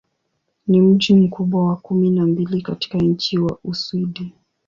Ni mji mkubwa wa kumi na mbili katika nchi wa Uswidi.